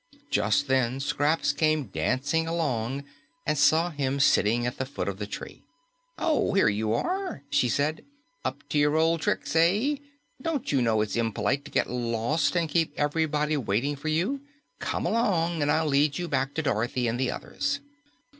Just then, Scraps came dancing along and saw him sitting at the foot of the tree. "Oh, here you are!" she said. "Up to your old tricks, eh? Don't you know it's impolite to get lost and keep everybody waiting for you? Come along, and I'll lead you back to Dorothy and the others."